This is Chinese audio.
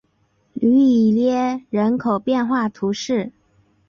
吕伊涅人口变化图示